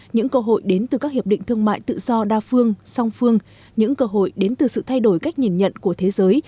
những cơ hội đến từ các hiệp định thương mại tự do đa phương song phương những cơ hội đến từ sự thay đổi cách nhìn nhận của thế giới